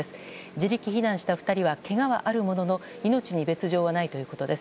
自力避難した２人はけがはあるものの命に別条はないということです。